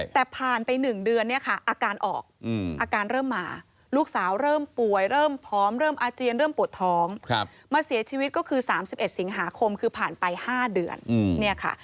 แต่ผ่านไป๑เดือนเนี่ยค่ะอาการออกอาการเริ่มมาลูกสาวเริ่มป่วยเริ่มผอมเริ่มอาเจียนเริ่มปวดท้องมาเสียชีวิตก็คือ๓๑สิงหาคมคือผ่านไป๕เดือนเนี่ยค่ะ